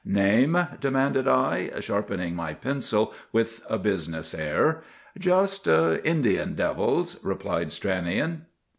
"Name?" demanded I, sharpening my pencil with a business air. "Just— 'INDIAN DEVILS,' replied Stranion.